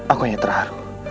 aku hanya terharu